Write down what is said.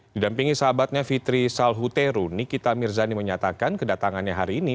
didampingi sahabatnya fitri salhuteru nikita mirzani menyatakan kedatangannya hari ini